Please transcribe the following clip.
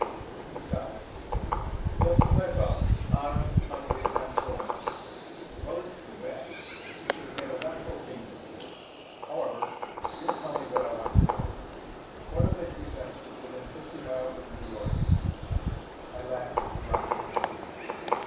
He sighed. "Just as I thought. Honor, country, and so on. Well, it's too bad. We should have made a wonderful team. However, you'll tell me what I want to know. What are the defenses within fifty miles of New York?" I laughed derisively.